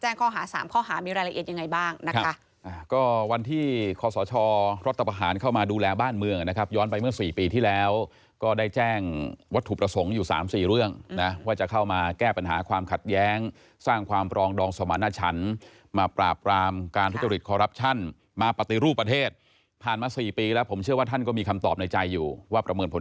ข้อหาสามข้อหามีรายละเอียดยังไงบ้างนะคะก็วันที่คอสชรัฐประหารเข้ามาดูแลบ้านเมืองนะครับย้อนไปเมื่อสี่ปีที่แล้วก็ได้แจ้งวัตถุประสงค์อยู่๓๔เรื่องนะว่าจะเข้ามาแก้ปัญหาความขัดแย้งสร้างความปรองดองสมาณชันมาปราบรามการทุจริตคอรัปชั่นมาปฏิรูปประเทศผ่านมาสี่ปีแล้วผมเชื่อว่าท่านก็มีคำตอบในใจอยู่ว่าประเมินผล